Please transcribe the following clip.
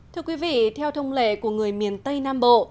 thưa quý vị theo thông lệ của người miền tây nam bộ